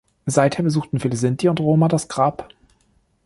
Seither besuchten viele Sinti und Roma das Grab.